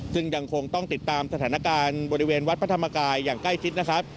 ซึ่งยังคงต้องติดตามสถานการณ์บริเวณวัดพระธรรมกายอย่างใกล้ชิดนะครับ